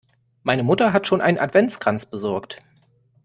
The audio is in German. Meine Mutter hat schon einen Adventskranz besorgt.